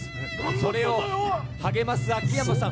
それを励ます秋山さん。